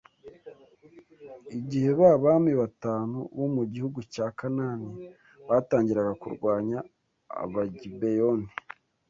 Igihe ba bami batanu bo mu gihugu cya Kanaani batangiraga kurwanya Abagibeyoni